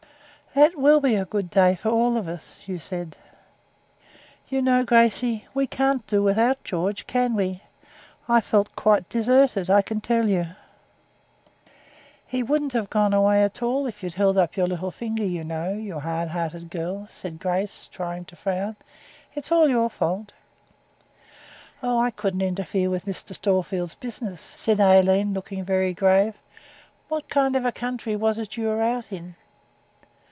'That will be a good day for all of us,' she said. 'You know, Gracey, we can't do without George, can we? I felt quite deserted, I can tell you.' 'He wouldn't have gone away at all if you'd held up your little finger, you know that, you hard hearted girl,' said Grace, trying to frown. 'It's all your fault.' 'Oh! I couldn't interfere with Mr. Storefield's business,' said Aileen, looking very grave. 'What kind of a country was it you were out in?'